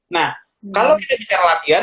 nah kalau kita bicara latihan